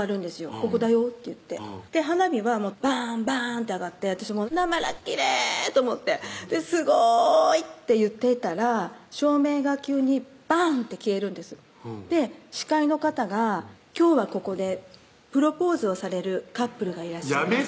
「ここだよ」って言って花火はバーンバーンって上がって私もなまらきれいと思って「すごい」って言っていたら照明が急にバンって消えるんですで司会の方が「今日はここでプロポーズをされるカップルがいらっしゃいます」